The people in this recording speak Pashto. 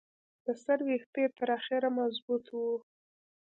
د سر ویښته یې تر اخره مضبوط وو.